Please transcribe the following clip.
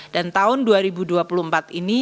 dan tahun dua ribu dua puluh empat ini